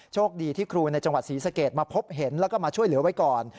โชคดีที่ครูในจังหวัดศรีสะเกดมาพบเห็นแล้วก็มาช่วยเหลือไว้ก่อน